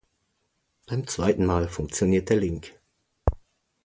Beim zweiten Mal funktioniert der Link.